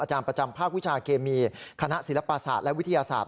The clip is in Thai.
อาจารย์ประจำภาควิชาครีมีคณะศิรภาษาและวิทยาศาสตร์